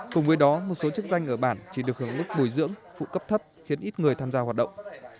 cùng với đó một số chức danh ở bản chỉ được hưởng mức bồi dưỡng phụ cấp thấp khiến ít người tham gia hoạt động